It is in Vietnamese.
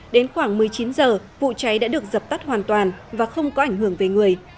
đến khoảng một mươi chín h vụ cháy đã được dập tắt hoàn toàn và không có ảnh hưởng về người